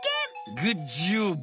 グッジョブ！